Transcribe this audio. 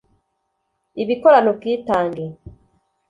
abikorana ubwitange